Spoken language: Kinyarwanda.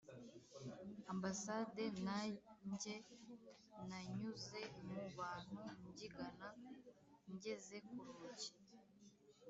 ambasade Nanjye nanyuze mu bantu mbyigana Ngeze ku rugi